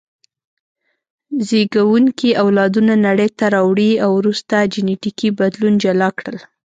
زېږوونکي اولادونه نړۍ ته راوړي او وروسته جینټیکي بدلون جلا کړل.